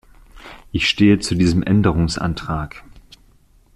Ich stehe zu diesem Änderungsantrag.